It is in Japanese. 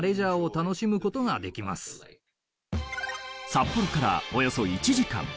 札幌からおよそ１時間。